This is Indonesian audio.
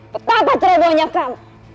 betapa cerebohnya kamu